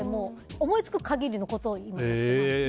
思いつく限りのことをやってます。